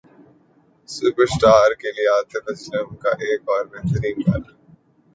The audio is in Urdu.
سپراسٹار کے لیے عاطف اسلم کا ایک اور بہترین گانا